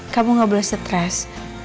kamu gak boleh stress